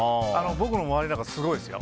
僕の周りなんかすごいですよ。